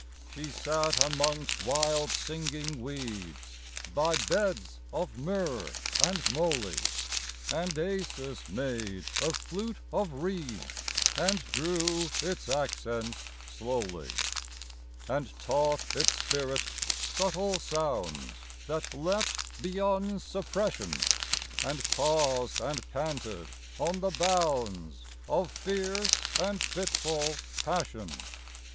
She sat amongst wild singing weeds, by beds of myrrh and moly; And Acis made a flute of reeds, and drew its accents slowly; And taught its spirit subtle sounds that leapt beyond suppression, And paused and panted on the bounds of fierce and fitful passion.